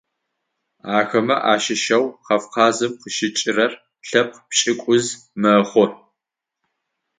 Ахэмэ ащыщэу Кавказым къыщыкӏырэр лъэпкъ пшӏыкӏуз мэхъу.